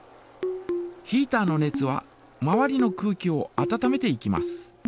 ヒータの熱は周りの空気を温めていきます。